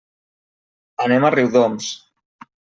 Anem a Riudoms.